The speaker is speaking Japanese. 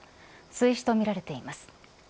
水死とみられています。